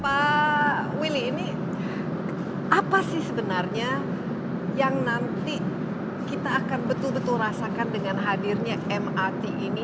pak willy ini apa sih sebenarnya yang nanti kita akan betul betul rasakan dengan hadirnya mrt ini